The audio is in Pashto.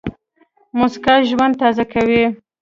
موسکا ژوند تازه کوي.